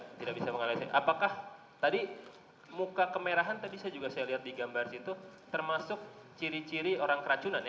saya tidak bisa mengalahkan apakah tadi muka kemerahan tadi saya juga saya lihat di gambar situ termasuk ciri ciri orang keracunan ya